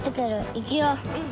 いくよ！